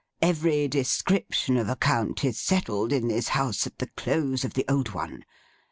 Every description of account is settled in this house at the close of the old one.